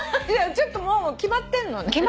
ちょっともう決まってんのね？